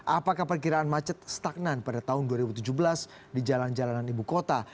apakah perkiraan macet stagnan pada tahun dua ribu tujuh belas di jalan jalanan ibu kota